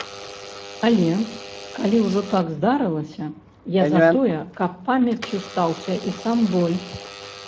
Але, калі ўжо так здарылася, я за тое, каб памяццю стаўся і сам боль.